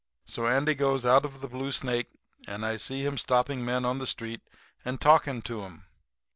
"So Andy goes out of the Blue Snake, and I see him stopping men on the street and talking to 'em.